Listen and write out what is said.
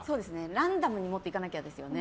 ランダムに持っていかないとですね。